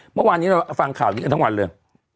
เมื่อวานนี้เราฟังข่าวนี้กันทั้งวันเลย